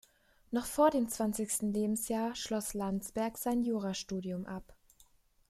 Noch vor dem zwanzigsten Lebensjahr schloss Landsberg sein Jurastudium ab.